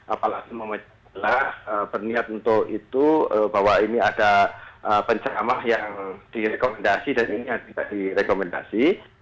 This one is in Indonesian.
apalagi memecah adalah berniat untuk itu bahwa ini ada penceramah yang direkomendasi dan ini yang tidak direkomendasi